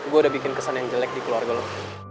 gue udah bikin kesan yang jelek di keluarga lo